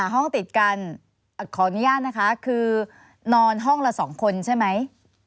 ห้องติดกันขออนุญาตนะคะคือนอนห้องละ๒คนใช่ไหม